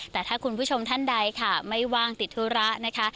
แต่ถ้าคุณผู้ชมท่านใดค่ะไม่ว่างติดธุระนะคะ